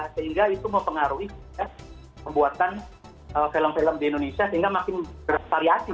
sehingga itu mempengaruhi pembuatan film film di indonesia sehingga makin bervariasi